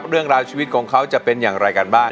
เรื่องราวชีวิตของเขาจะเป็นอย่างไรกันบ้าง